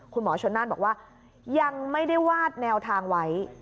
คุณหมอชนน่านบอกว่ายังไม่ได้วาดแนวทางไว้